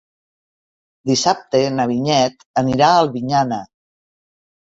Dissabte na Vinyet anirà a Albinyana.